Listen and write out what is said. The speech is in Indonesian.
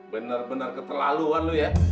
benar benar keterlaluan lu ya